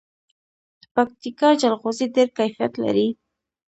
د پکتیکا جلغوزي ډیر کیفیت لري.